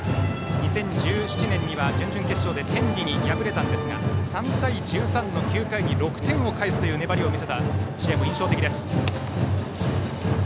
２０１７年には準々決勝で天理に敗れましたが３対１３の９回に６点を返すという粘りを見せた試合も印象的です。